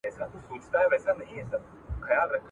نه به کور په کور په ښار کي تربګني وای ..